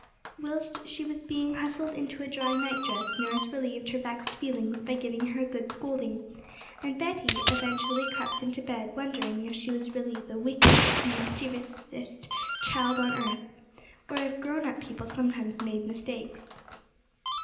Whilst she was being hustled into a dry nightdress nurse relieved her vexed feelings by giving her a good scolding, and Betty eventually crept into bed wondering if she was really the 'wickedest, mischievousest child on earth,' or if grown up people sometimes made mistakes.